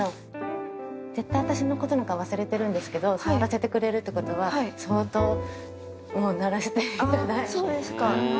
絶対私のことなんか忘れてるんですけど、触らせてくれるってことは、相当、ならせていただいそうですか。